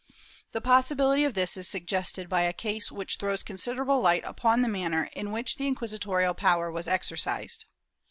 The possibility of this is suggested by a case which throws considerable light upon the manner in which the inquisitorial power was exercised.